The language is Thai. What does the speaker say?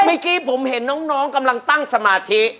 เมื่อกี้ผมเห็นน้องกำลังตั้งสมาธิ